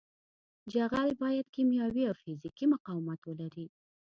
جغل باید کیمیاوي او فزیکي مقاومت ولري